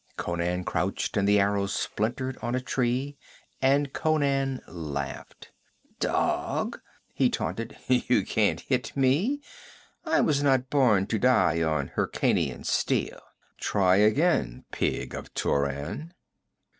Conan crouched and the arrow splintered on a tree, and Conan laughed. 'Dog!' he taunted. 'You can't hit me! I was not born to die on Hyrkanian steel! Try again, pig of Turan!'